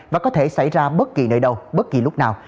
và có thể xảy ra bất kỳ nơi đâu bất kỳ lúc nào